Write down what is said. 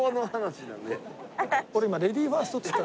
俺今レディーファーストって言った。